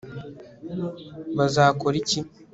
bazakora iki